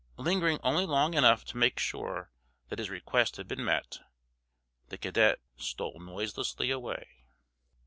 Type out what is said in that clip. Lingering only long enough to make sure that his request had been met, the cadet stole noiselessly away.